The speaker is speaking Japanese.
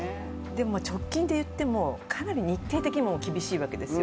でも直近で言っても、かなり日程的にも厳しいわけですよ。